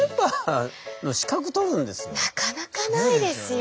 なかなかないですよ。